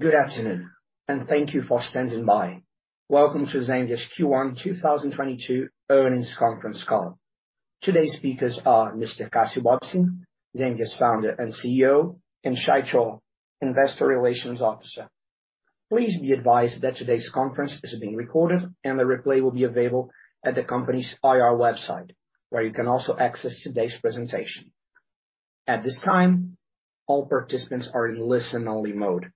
Good afternoon, and thank you for standing by. Welcome to Zenvia's Q1 2022 earnings conference call. Today's speakers are Mr. Cassio Bobsin, Zenvia's founder and CEO, and Shay Chor, Investor Relations Officer. Please be advised that today's conference is being recorded, and the replay will be available at the company's IR website, where you can also access today's presentation. At this time, all participants are in listen-only mode.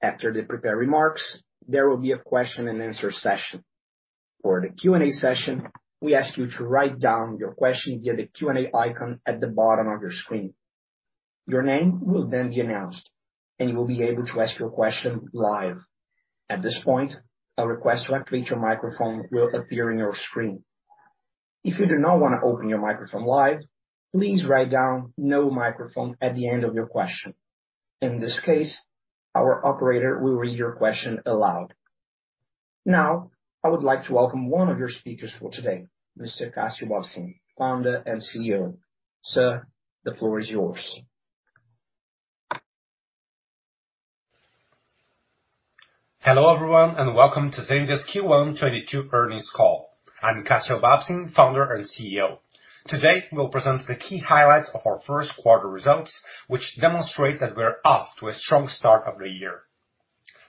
After the prepared remarks, there will be a question-and-answer session. For the Q&A session, we ask you to write down your question via the Q&A icon at the bottom of your screen. Your name will then be announced, and you will be able to ask your question live. At this point, a request to activate your microphone will appear on your screen. If you do not wanna open your microphone live, please write down "no microphone" at the end of your question. In this case, our operator will read your question aloud. Now, I would like to welcome one of your speakers for today, Mr. Cassio Bobsin, Founder and CEO. Sir, the floor is yours. Hello, everyone, and welcome to Zenvia's Q1 2022 earnings call. I'm Cassio Bobsin, founder and CEO. Today, we'll present the key highlights of our first quarter results, which demonstrate that we're off to a strong start of the year.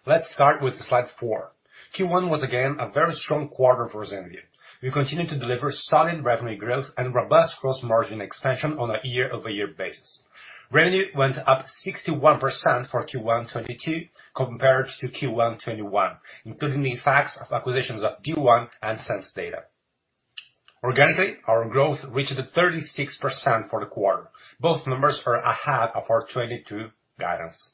Let's start with slide four. Q1 was again a very strong quarter for Zenvia. We continued to deliver solid revenue growth and robust gross margin expansion on a year-over-year basis. Revenue went up 61% for Q1 2022 compared to Q1 2021, including the effects of acquisitions of D1 and SenseData. Organically, our growth reached 36% for the quarter. Both numbers are ahead of our 2022 guidance.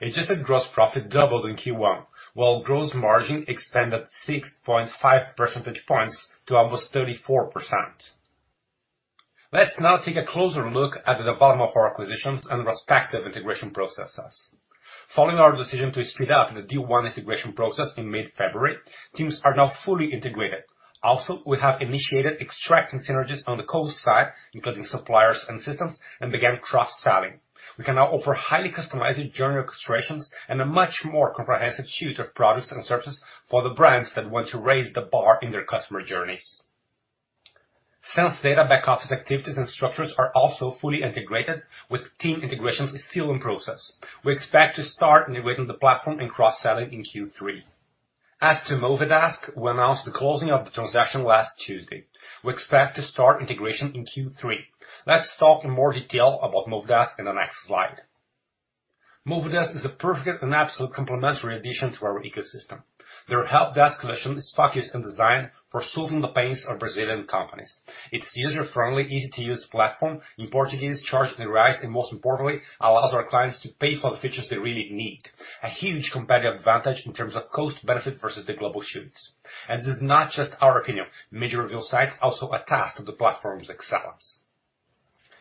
Adjusted gross profit doubled in Q1, while gross margin expanded 6.5 percentage points to almost 34%. Let's now take a closer look at the development of our acquisitions and respective integration processes. Following our decision to speed up the D1 integration process in mid-February, teams are now fully integrated. Also, we have initiated extracting synergies on the code side, including suppliers and systems, and began cross-selling. We can now offer highly customized journey orchestrations and a much more comprehensive suite of products and services for the brands that want to raise the bar in their customer journeys. SenseData back-office activities and structures are also fully integrated, with team integrations still in process. We expect to start integrating the platform and cross-selling in Q3. As to Movidesk, we announced the closing of the transaction last Tuesday. We expect to start integration in Q3. Let's talk in more detail about Movidesk in the next slide. Movidesk is a perfect and absolute complementary addition to our ecosystem. Their help desk solution is focused and designed for solving the pains of Brazilian companies. It's user-friendly, easy-to-use platform in Portuguese charged in reais, and most importantly, allows our clients to pay for the features they really need. A huge competitive advantage in terms of cost benefit versus the global suites. This is not just our opinion. Major review sites also attest to the platform's excellence.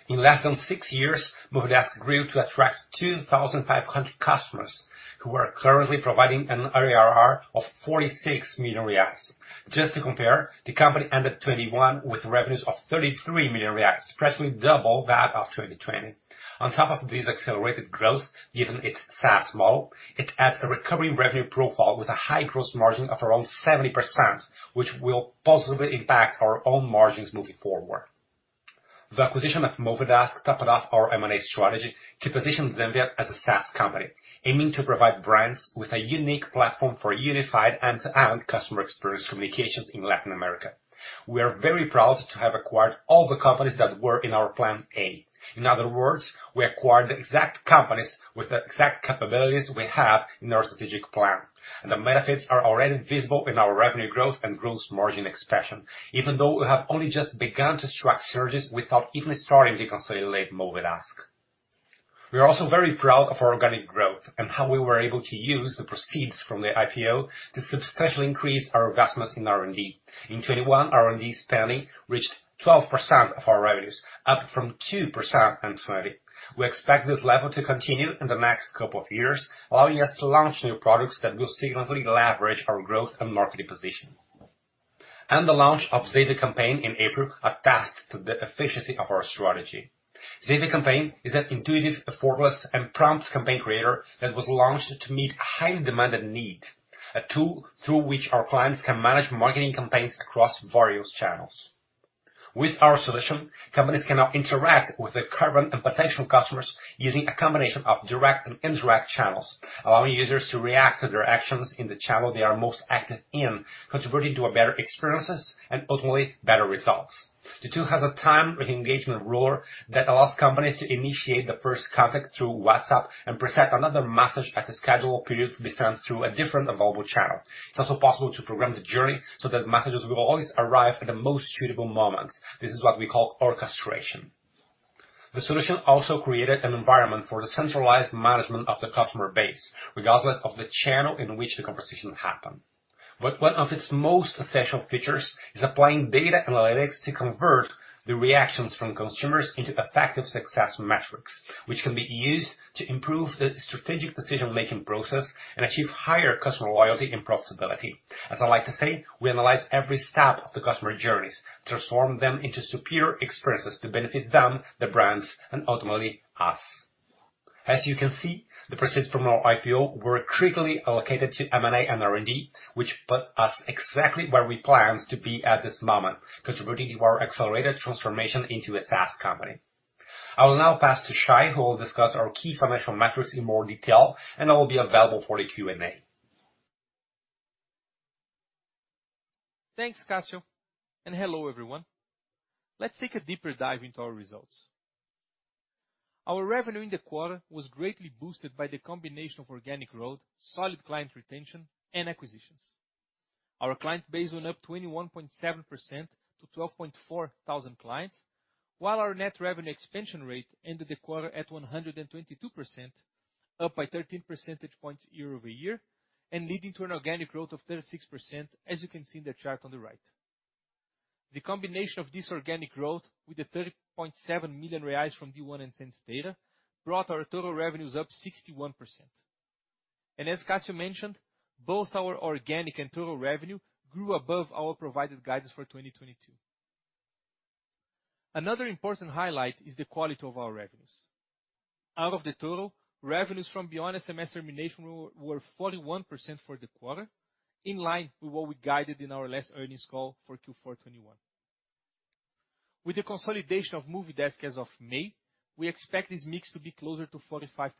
In less than six years, Movidesk grew to attract 2,500 customers who are currently providing an ARR of 46 million. Just to compare, the company ended 2021 with revenues of 33 million, practically double that of 2020. On top of this accelerated growth, given its SaaS model, it adds a recurring revenue profile with a high gross margin of around 70%, which will positively impact our own margins moving forward. The acquisition of Movidesk topped off our M&A strategy to position Zenvia as a SaaS company, aiming to provide brands with a unique platform for unified end-to-end customer experience communications in Latin America. We are very proud to have acquired all the companies that were in our plan A. In other words, we acquired the exact companies with the exact capabilities we have in our strategic plan, and the benefits are already visible in our revenue growth and gross margin expansion, even though we have only just begun to extract synergies without even starting to consolidate Movidesk. We are also very proud of our organic growth and how we were able to use the proceeds from the IPO to substantially increase our investments in R&D. In 2021, R&D spending reached 12% of our revenues, up from 2% in 2020. We expect this level to continue in the next couple of years, allowing us to launch new products that will significantly leverage our growth and marketing position. The launch of Zenvia Campaign in April attests to the efficiency of our strategy. Zenvia Campaign is an intuitive, effortless, and prompt campaign creator that was launched to meet a highly demanded need, a tool through which our clients can manage marketing campaigns across various channels. With our solution, companies can now interact with their current and potential customers using a combination of direct and indirect channels, allowing users to react to their actions in the channel they are most active in, contributing to a better experiences and ultimately better results. The tool has a time re-engagement rule that allows companies to initiate the first contact through WhatsApp and present another message at a scheduled period to be sent through a different available channel. It's also possible to program the journey so that messages will always arrive at the most suitable moments. This is what we call orchestration. The solution also created an environment for the centralized management of the customer base, regardless of the channel in which the conversation happened. One of its most essential features is applying data analytics to convert the reactions from consumers into effective success metrics, which can be used to improve the strategic decision-making process and achieve higher customer loyalty and profitability. As I like to say, we analyze every step of the customer journeys to transform them into superior experiences to benefit them, their brands, and ultimately us. As you can see, the proceeds from our IPO were critically allocated to M&A and R&D, which put us exactly where we planned to be at this moment, contributing to our accelerated transformation into a SaaS company. I will now pass to Shay, who will discuss our key financial metrics in more detail, and I will be available for the Q&A. Thanks, Cassio, and hello everyone. Let's take a deeper dive into our results. Our revenue in the quarter was greatly boosted by the combination of organic growth, solid client retention, and acquisitions. Our client base went up 21.7% to 12,400 clients, while our net revenue expansion rate ended the quarter at 122%, up by 13 percentage points year-over-year, and leading to an organic growth of 36%, as you can see in the chart on the right. The combination of this organic growth with the 30.7 million reais from D1 and SenseData brought our total revenues up 61%. As Cassio mentioned, both our organic and total revenue grew above our provided guidance for 2022. Another important highlight is the quality of our revenues. Out of the total, revenues from beyond SMS termination were 41% for the quarter, in line with what we guided in our last earnings call for Q4 2021. With the consolidation of Movidesk as of May, we expect this mix to be closer to 45%.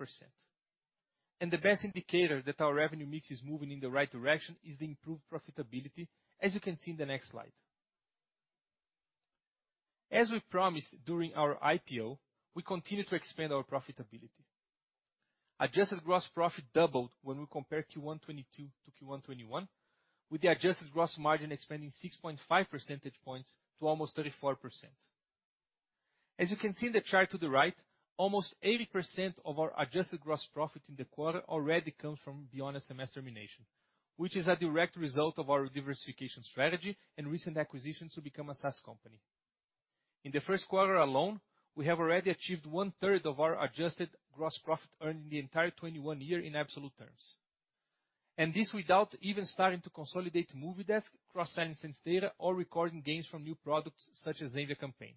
The best indicator that our revenue mix is moving in the right direction is the improved profitability, as you can see in the next slide. As we promised during our IPO, we continue to expand our profitability. Adjusted gross profit doubled when we compare Q1 2022 to Q1 2021, with the adjusted gross margin expanding 6.5 percentage points to almost 34%. As you can see in the chart to the right, almost 80% of our adjusted gross profit in the quarter already comes from beyond SMS termination, which is a direct result of our diversification strategy and recent acquisitions to become a SaaS company. In the first quarter alone, we have already achieved one-third of our adjusted gross profit earned in the entire 2021 year in absolute terms. This without even starting to consolidate Movidesk, cross-selling SenseData, or recording gains from new products such as Zenvia Campaign.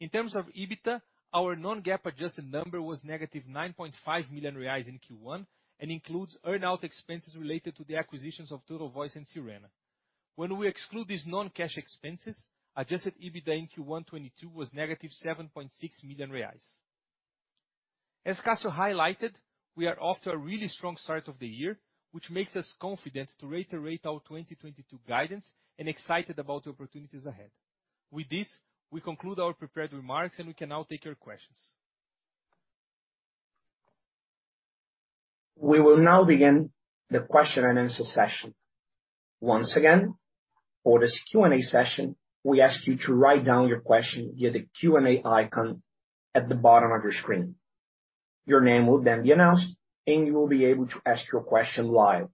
In terms of EBITDA, our non-GAAP adjusted number was -9.5 million reais in Q1, and includes earn-out expenses related to the acquisitions of Total Voice and Sirena. When we exclude these non-cash expenses, adjusted EBITDA in Q1 2022 was -7.6 million reais. As Cassio highlighted, we are off to a really strong start of the year, which makes us confident to reiterate our 2022 guidance and excited about the opportunities ahead. With this, we conclude our prepared remarks, and we can now take your questions. We will now begin the question-and-answer session. Once again, for this Q&A session, we ask you to write down your question via the Q&A icon at the bottom of your screen. Your name will then be announced, and you will be able to ask your question live.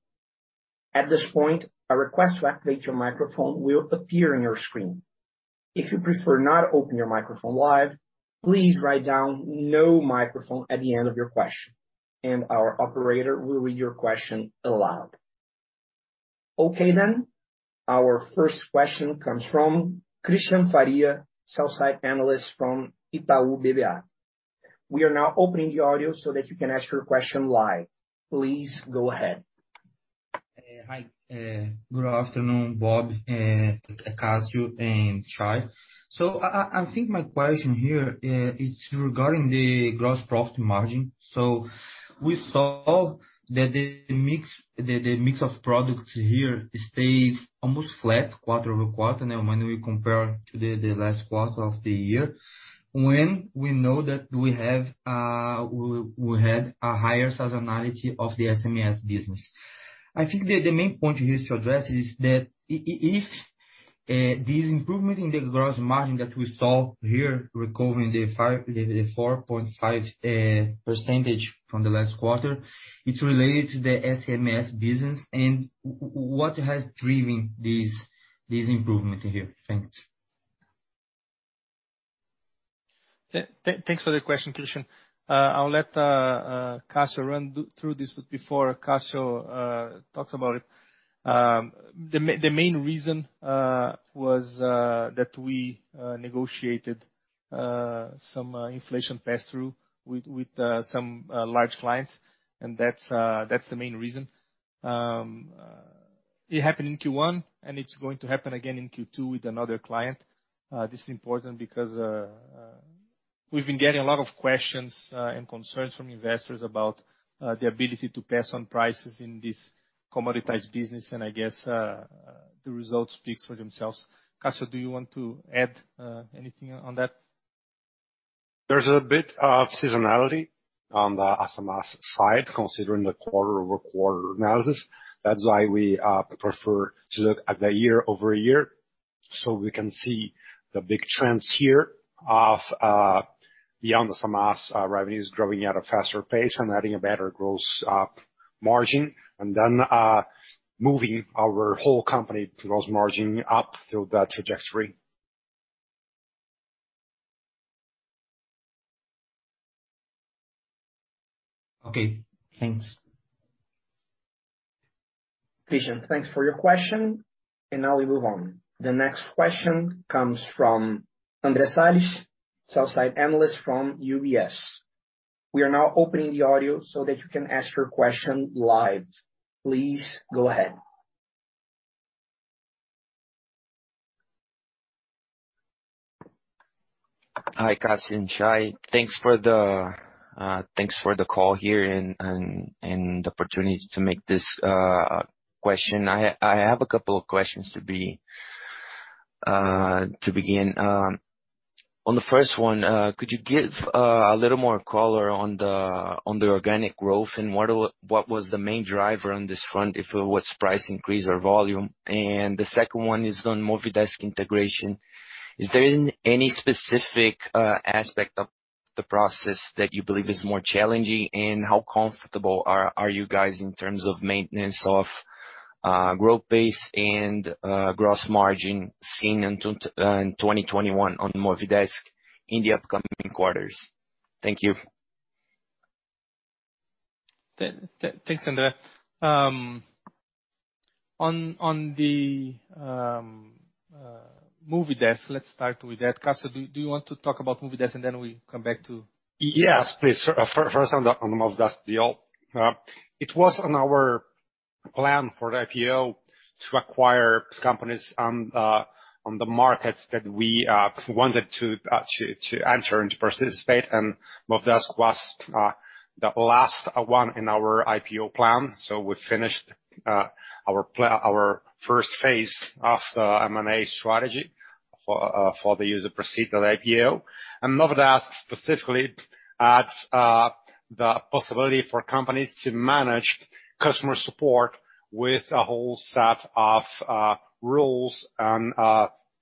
At this point, a request to activate your microphone will appear on your screen. If you prefer not open your microphone live, please write down "no microphone" at the end of your question, and our operator will read your question aloud. Okay then. Our first question comes from Cristian Faria, Sell-Side Analyst from Itaú BBA. We are now opening the audio so that you can ask your question live. Please go ahead. Hi. Good afternoon, Bob, Cassio, and Shay. I think my question here, it's regarding the gross profit margin. We saw that the mix of products here stays almost flat quarter-over-quarter when we compare to the last quarter of the year, when we know that we had a higher seasonality of the SMS business. I think the main point here to address is that if this improvement in the gross margin that we saw here recovering the 4.5% from the last quarter, it's related to the SMS business and what has driven this improvement here? Thanks. Thanks for the question, Cristian. I'll let Cassio run through this. But before Cassio talks about it, the main reason was that we negotiated some inflation pass-through with some large clients, and that's the main reason. It happened in Q1, and it's going to happen again in Q2 with another client. This is important because we've been getting a lot of questions and concerns from investors about the ability to pass on prices in this commoditized business and I guess the results speaks for themselves. Cassio, do you want to add anything on that? There's a bit of seasonality on the SMS side, considering the quarter-over-quarter analysis. That's why we prefer to look at the year-over-year, so we can see the big trends here of beyond the SMS revenues growing at a faster pace and adding a better gross margin, and then moving our whole company gross margin up through that trajectory. Okay, thanks. Cristian, thanks for your question. Now we move on. The next question comes from Andre Salles, sell-side analyst from UBS. We are now opening the audio so that you can ask your question live. Please go ahead. Hi, Cassio and Shay. Thanks for the call here and the opportunity to make this question. I have a couple of questions to begin. On the first one, could you give a little more color on the organic growth and what was the main driver on this front, if it was price increase or volume? The second one is on Movidesk integration. Is there any specific aspect of the process that you believe is more challenging? How comfortable are you guys in terms of maintenance of growth base and gross margin seen in 2021 on Movidesk in the upcoming quarters? Thank you. Thanks, Andre. On the Movidesk, let's start with that. Cassio, do you want to talk about Movidesk, and then we come back to- Yes, please. First on the Movidesk deal. It was on our plan for the IPO to acquire companies on the markets that we wanted to enter and to participate. Movidesk was the last one in our IPO plan, so we finished our first phase of the M&A strategy for the use of proceeds of the IPO. Movidesk specifically adds the possibility for companies to manage customer support with a whole set of rules and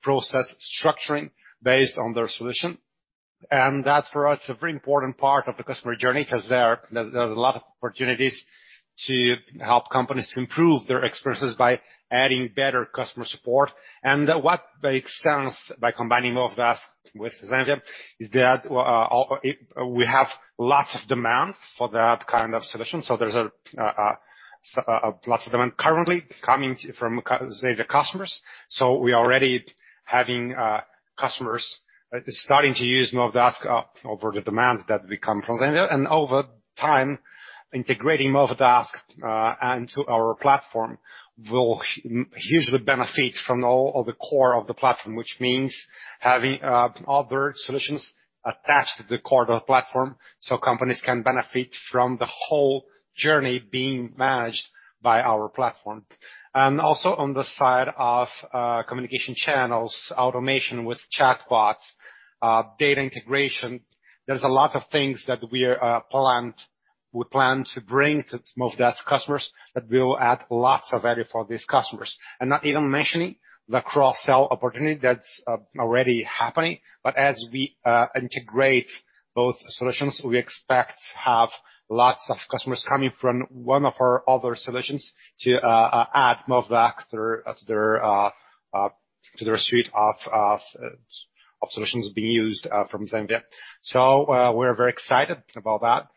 process structuring based on their solution. That's for us a very important part of the customer journey, 'cause there's a lot of opportunities to help companies to improve their experiences by adding better customer support. What makes sense by combining Movidesk with Zenvia is that it. We have lots of demand for that kind of solution, so there's lots of demand currently coming from Zenvia customers. We are already having customers starting to use Movidesk over the demand that comes from Zenvia. Over time, integrating Movidesk into our platform will hugely benefit from all of the core of the platform, which means having other solutions attached to the core of the platform, so companies can benefit from the whole journey being managed by our platform. Also on the side of communication channels, automation with chatbots, data integration, there's a lot of things that we plan to bring to Movidesk customers that will add lots of value for these customers. Not even mentioning the cross-sell opportunity that's already happening. As we integrate both solutions, we expect to have lots of customers coming from one of our other solutions to add Movidesk to their suite of solutions being used from Zenvia. We're very excited about that.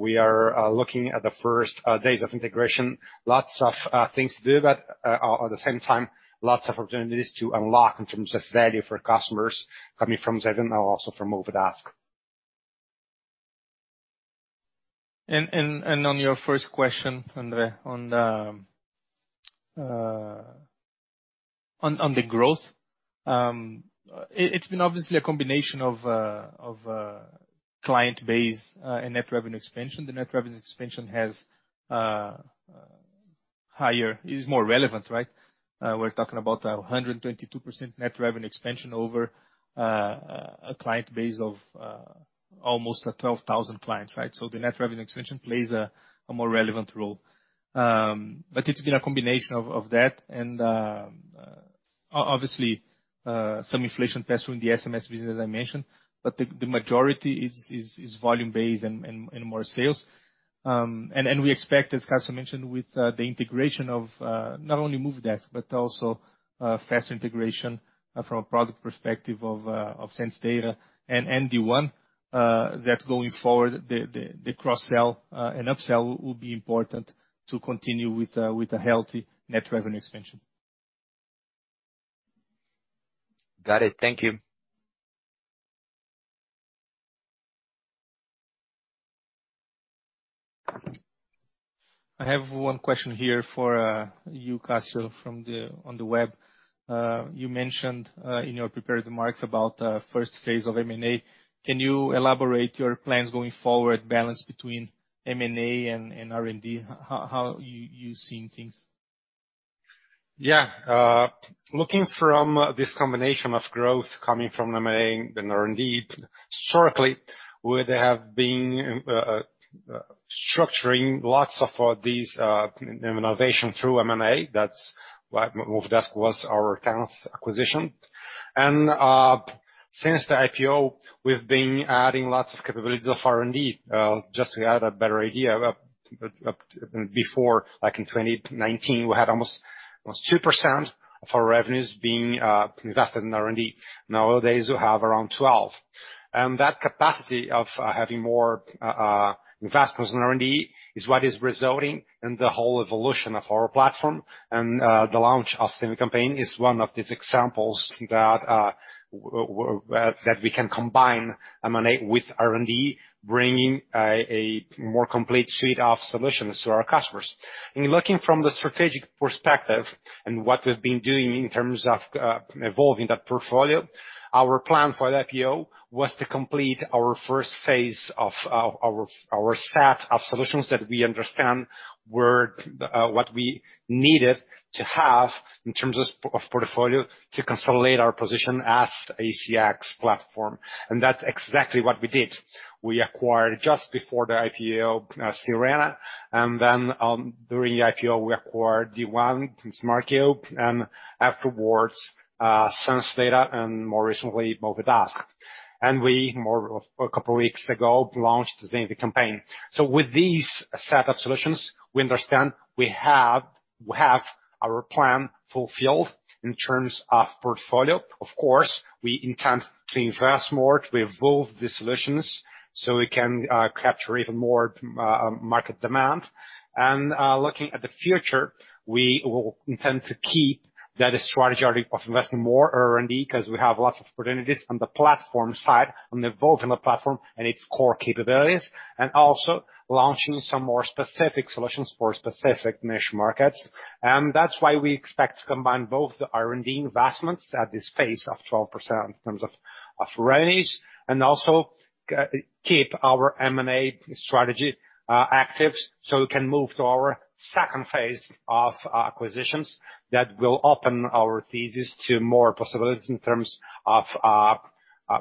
We are looking at the first days of integration. Lots of things to do, but at the same time, lots of opportunities to unlock in terms of value for customers coming from Zenvia and also from Movidesk. On your first question, Andre, on the growth, it's been obviously a combination of client base and net revenue expansion. The net revenue expansion is more relevant, right? We're talking about 122% net revenue expansion over a client base of almost 12,000 clients, right? The net revenue expansion plays a more relevant role. It's been a combination of that. Obviously, some inflation passed through in the SMS business, as I mentioned, but the majority is volume-based and more sales. We expect, as Cassio mentioned, with the integration of not only Movidesk, but also faster integration from a product perspective of SenseData and D1 that going forward, the cross-sell and upsell will be important to continue with a healthy net revenue expansion. Got it. Thank you. I have one question here for you, Cassio, from Andre on the web. You mentioned in your prepared remarks about the first phase of M&A. Can you elaborate your plans going forward, balance between M&A and R&D? How you seeing things? Yeah. Looking from this combination of growth coming from M&A and R&D, historically, we have been structuring lots of these innovation through M&A. That's why Movidesk was our 10th acquisition. Since the IPO, we've been adding lots of capabilities of R&D. Just to add a better idea, before, like in 2019, we had almost 2% of our revenues being invested in R&D. Nowadays, we have around 12%. That capacity of having more investments in R&D is what is resulting in the whole evolution of our platform. The launch of Zenvia Campaign is one of these examples that we can combine M&A with R&D, bringing a more complete suite of solutions to our customers. In looking from the strategic perspective and what we've been doing in terms of evolving that portfolio, our plan for the IPO was to complete our first phase of our set of solutions that we understand were what we needed to have in terms of portfolio to consolidate our position as a CX platform. That's exactly what we did. We acquired just before the IPO Sirena, and then during the IPO, we acquired D1 and Smart Cube, and afterwards SenseData, and more recently Movidesk. We more like a couple weeks ago launched Zenvia Campaign. With these set of solutions, we understand we have our plan fulfilled in terms of portfolio. Of course, we intend to invest more to evolve the solutions so we can capture even more market demand. Looking at the future, we will intend to keep that strategy of investing more R&D 'cause we have lots of opportunities on the platform side, on evolving the platform and its core capabilities, and also launching some more specific solutions for specific niche markets. That's why we expect to combine both the R&D investments at this phase of 12% in terms of revenues, and also keep our M&A strategy active, so we can move to our second phase of acquisitions that will open our thesis to more possibilities in terms of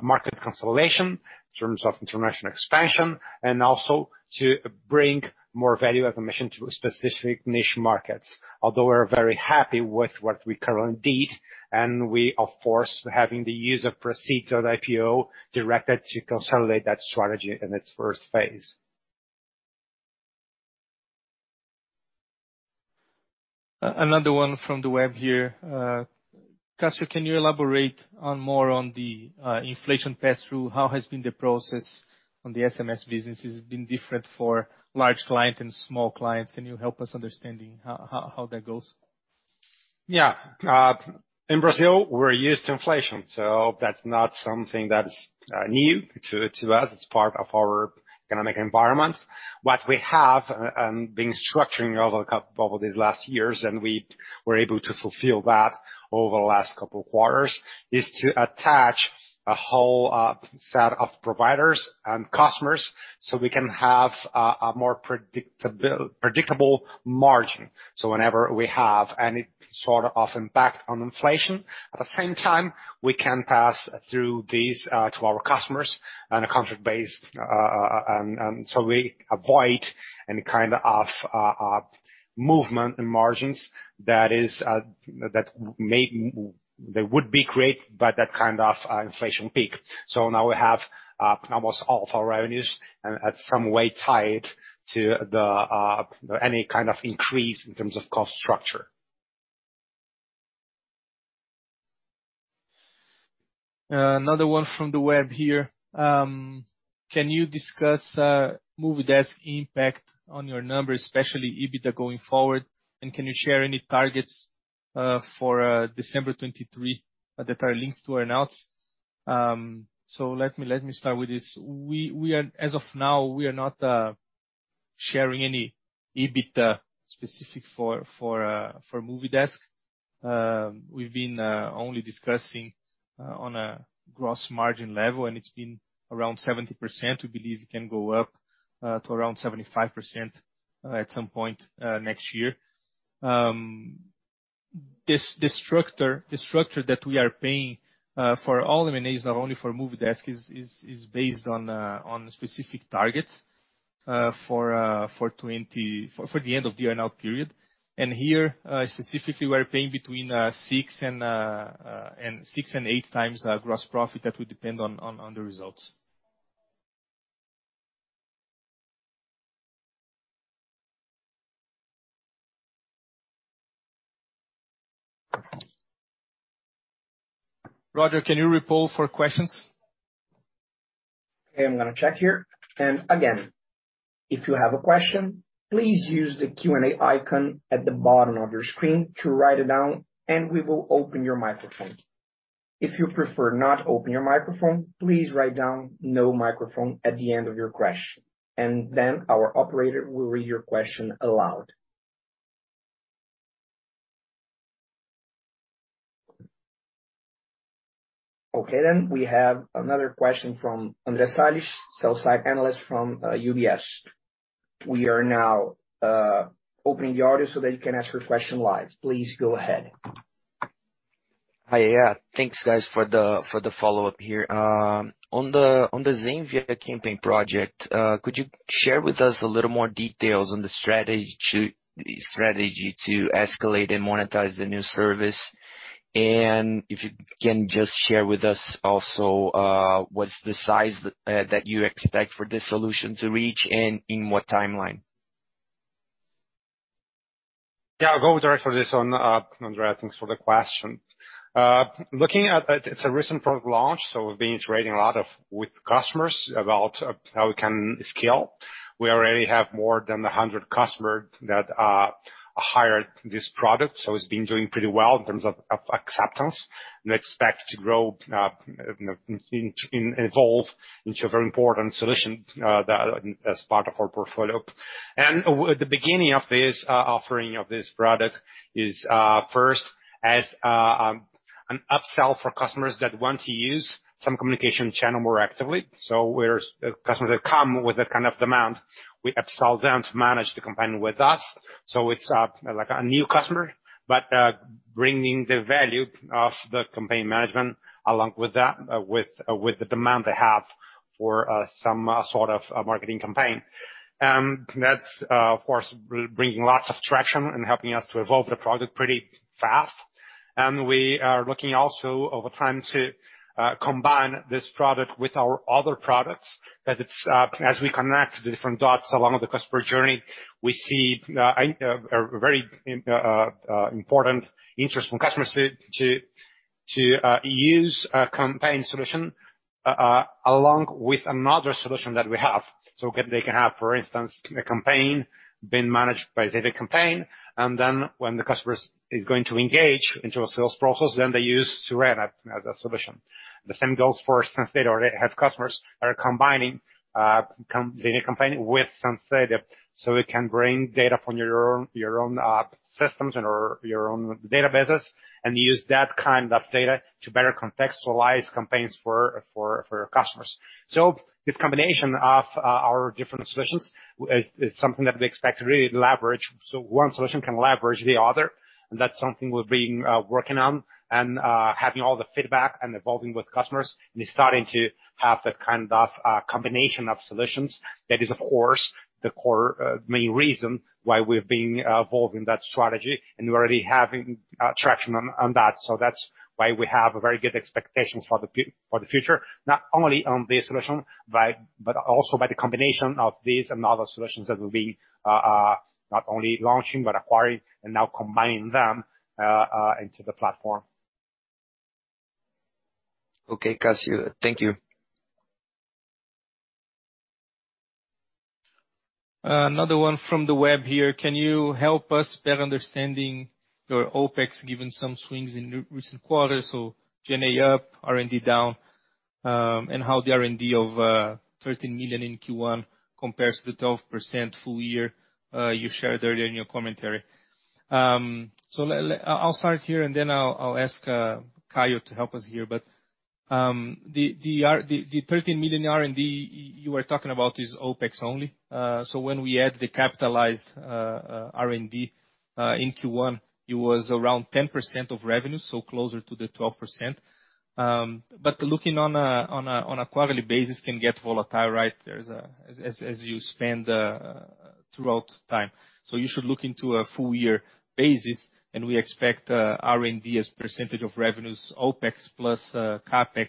market consolidation, in terms of international expansion, and also to bring more value as a mission to specific niche markets. Although we're very happy with what we currently did, and we, of course, having the use of proceeds of the IPO directed to consolidate that strategy in its first phase. Another one from the web here. Cassio, can you elaborate more on the inflation pass-through? How has been the process on the SMS business? Has it been different for large client and small clients? Can you help us understanding how that goes? Yeah. In Brazil, we're used to inflation, so that's not something that is new to us. It's part of our economic environment. What we have been structuring over these last years, and we were able to fulfill that over the last couple of quarters, is to attach a whole set of providers and customers so we can have a more predictable margin. So whenever we have any sort of impact on inflation, at the same time, we can pass through these to our customers on a contract basis. We avoid any kind of movement in margins that would be created by that kind of inflation peak. Now we have almost all of our revenues in some way tied to any kind of increase in terms of cost structure. Another one from the web here. Can you discuss Movidesk's impact on your numbers, especially EBITDA going forward? And can you share any targets for December 2023 that are linked to earn-outs? Let me start with this. As of now, we are not sharing any EBITDA specific for Movidesk. We've been only discussing on a gross margin level, and it's been around 70%. We believe it can go up to around 75%, at some point next year. This structure that we are paying for all M&As, not only for Movidesk, is based on specific targets for the end of the earn-out period. Here, specifically, we're paying between 6x and 8x gross profit. That will depend on the results. Roger, can you repoll for questions? Okay, I'm gonna check here. Again, if you have a question, please use the Q&A icon at the bottom of your screen to write it down, and we will open your microphone. If you prefer not open your microphone, please write down "no microphone" at the end of your question, and then our operator will read your question aloud. Okay, we have another question from Andre Salles, Sell-Side Analyst from UBS. We are now opening the audio so that you can ask your question live. Please go ahead. Hi. Yeah. Thanks, guys, for the follow-up here. On the Zenvia Campaign project, could you share with us a little more details on the strategy to escalate and monetize the new service? If you can just share with us also, what's the size that you expect for this solution to reach, and in what timeline? Yeah, I'll go directly on, Andre, thanks for the question. Looking at it's a recent product launch, so we've been integrating with customers about how we can scale. We already have more than 100 customers that hired this product, so it's been doing pretty well in terms of acceptance. We expect to grow, you know, evolve into a very important solution that is part of our portfolio. At the beginning of this offering of this product is first as an upsell for customers that want to use some communication channel more actively. So for the customers that come with that kind of demand, we upsell them to manage the campaign with us. It's like a new customer, but bringing the value of the campaign management along with that, with the demand they have for some sort of marketing campaign. That's of course bringing lots of traction and helping us to evolve the product pretty fast. We are looking also over time to combine this product with our other products that it's as we connect the different dots along the customer journey. We see a very important interest from customers to use a campaign solution along with another solution that we have. They can have, for instance, a campaign being managed by data campaign, and then when the customer is going to engage into a sales process, then they use Sirena as a solution. The same goes for SenseData. We have customers that are combining data campaign with SenseData, so it can bring data from your own systems and/or your own databases, and use that kind of data to better contextualize campaigns for customers. This combination of our different solutions is something that we expect to really leverage. One solution can leverage the other, and that's something we've been working on and having all the feedback and evolving with customers, and starting to have that kind of combination of solutions. That is, of course, the core main reason why we've been evolving that strategy and we're already having traction on that. That's why we have a very good expectations for the future, not only on this solution, but also by the combination of these and other solutions that will be not only launching but acquiring and now combining them into the platform. Okay. Cassio, thank you. Another one from the web here. Can you help us better understand your OPEX given some swings in the recent quarters? G&A up, R&D down, and how the R&D of 13 million in Q1 compares to the 12% full year you shared earlier in your commentary. I'll start here, and then I'll ask Cassio to help us here. The 13 million R&D you are talking about is OPEX only. When we add the capitalized R&D in Q1, it was around 10% of revenue, closer to the 12%. Looking on a quarterly basis can get volatile, right? As you spend over time. You should look into a full year basis, and we expect R&D as percentage of revenues, OPEX plus CapEx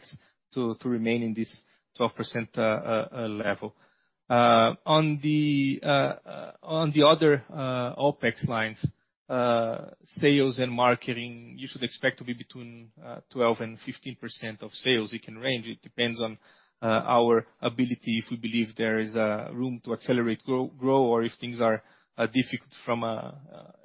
to remain in this 12% level. On the other OPEX lines, sales and marketing, you should expect to be between 12%-15% of sales. It can range. It depends on our ability, if we believe there is room to accelerate growth, or if things are difficult from an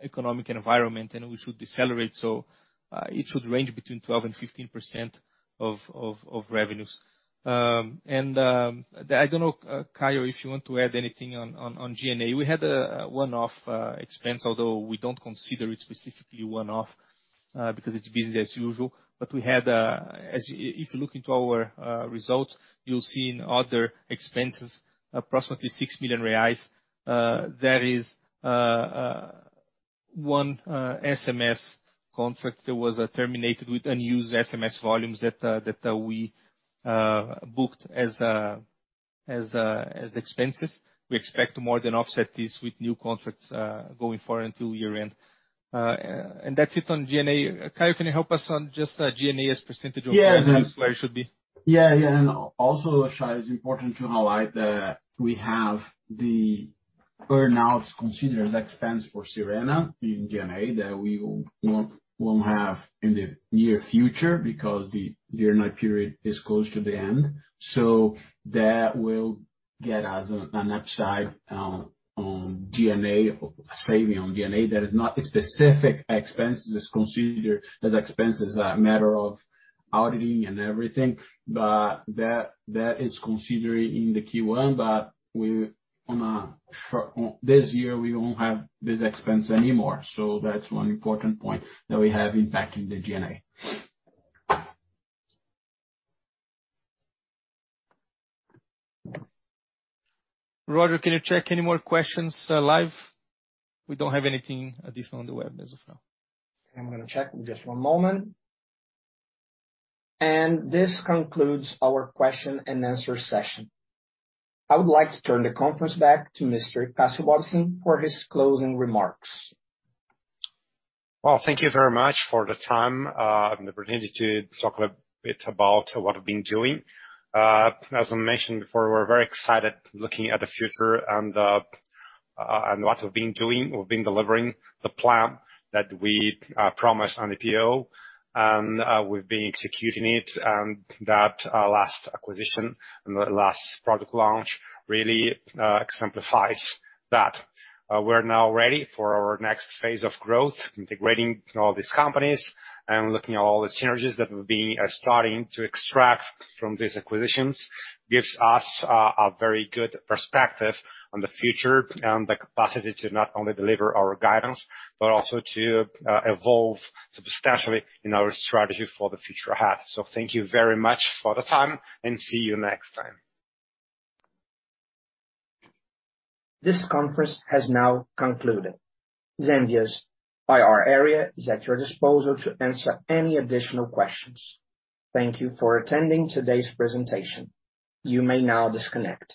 economic environment and we should decelerate. It should range between 12%-15% of revenues. I don't know, Cassio, if you want to add anything on G&A. We had a one-off expense, although we don't consider it specifically one-off because it's business as usual. If you look into our results, you'll see in other expenses, approximately 6 million reais. That is one SMS contract that was terminated with unused SMS volumes that we booked as expenses. We expect to more than offset this with new contracts going forward until year-end. That's it on G&A. Cassio, can you help us on just G&A as percentage of- Yeah. where it should be. Shay, it's important to highlight that we have the earn-outs considered as expense for Sirena in G&A that we won't have in the near future because the earn-out period is close to the end. That will get us an upside on G&A, saving on G&A. That is not a specific expense. It's considered as expense as a matter of auditing and everything. That is considered in the Q1. This year, we won't have this expense anymore. That's one important point that we have impact in the G&A. Roger, can you check any more questions, live? We don't have anything additional on the web as of now. I'm gonna check. Just one moment. This concludes our question and answer session. I would like to turn the conference back to Mr. Cassio Bobsin for his closing remarks. Well, thank you very much for the time, and the opportunity to talk a bit about what I've been doing. As I mentioned before, we're very excited looking at the future and what we've been doing. We've been delivering the plan that we promised on the IPO and we've been executing it. That last acquisition and the last product launch really exemplifies that. We're now ready for our next phase of growth, integrating all these companies and looking at all the synergies that we've been starting to extract from these acquisitions, gives us a very good perspective on the future and the capacity to not only deliver our guidance, but also to evolve substantially in our strategy for the future ahead. Thank you very much for the time, and see you next time. This conference has now concluded. Zenvia's IR is at your disposal to answer any additional questions. Thank you for attending today's presentation. You may now disconnect.